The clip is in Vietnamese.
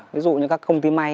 ví dụ như các công ty may